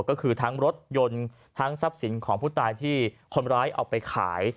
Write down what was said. ก็คือทั้งรถยนต์ทั้งทรัพย์สินของผู้ตายที่คนร้ายเอาไปขาย